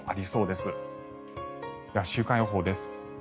では週間予報です。